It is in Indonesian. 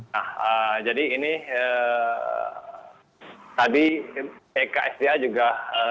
nah jadi ini tadi bksda juga